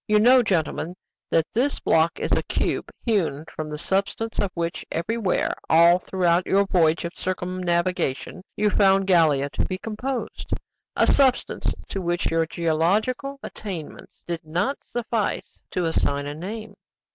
"You know, gentlemen, that this block is a cube hewn from the substance of which everywhere, all throughout your voyage of circumnavigation, you found Gallia to be composed a substance to which your geological attainments did not suffice to assign a name."